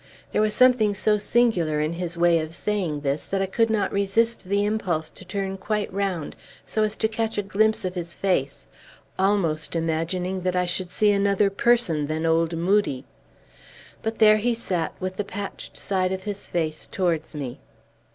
There was something so singular in his way of saying this, that I could not resist the impulse to turn quite round, so as to catch a glimpse of his face, almost imagining that I should see another person than old Moodie. But there he sat, with the patched side of his face towards me.